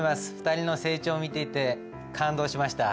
２人の成長を見ていて感動しました。